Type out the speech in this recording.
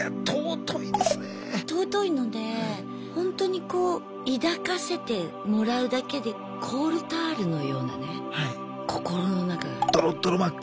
尊いのでほんとにこう抱かせてもらうだけでコールタールのようなね心の中が。